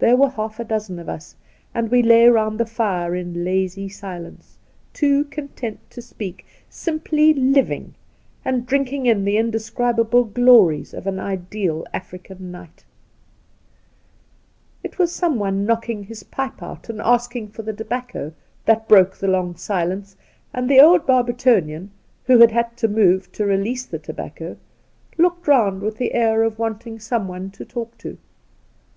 There were half a dozen of us, and we lay round the fire in lazy silence, too content to speak, simply living and drinking in the indescribable glories of an ideal African night. The Outspan It was someone knocking his pipe out and asking for the tobacco that broke the long silence, and the old Barbertonian, who had had to move to release the tobacco, looked round with the air of wanting someone to talk to.